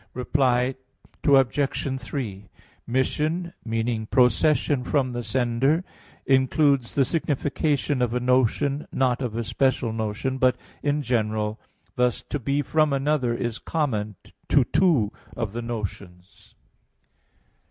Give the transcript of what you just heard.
Reply Obj. 3: Mission, meaning procession from the sender, includes the signification of a notion, not of a special notion, but in general; thus "to be from another" is common to two of the notions.